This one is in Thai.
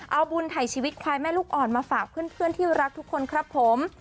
เอาบุญถ่ายชีวิตควายแม่ลูกอ่อนมาฝากเพื่อนที่รักทุกคนครับผม